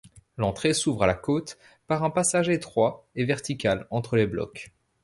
L'entrée s'ouvre à la cote par un passage étroit et vertical entre les blocs.